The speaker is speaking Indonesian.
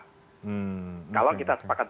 hmm kalau kita sepakatnya